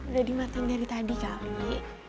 udah dimatang dari tadi kali